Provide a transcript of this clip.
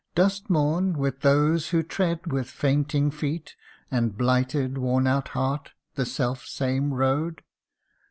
Dost mourn, with those who tread with fainting feet, And blighted worn out heart, the self same road